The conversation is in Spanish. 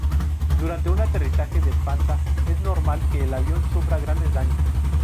Durante un aterrizaje de panza es normal que el avión sufra grandes daños.